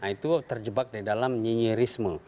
itu terjebak di dalam nyinyirisme